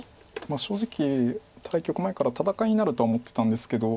正直対局前から戦いになるとは思ってたんですけど